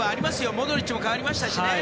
モドリッチも代わりましたしね。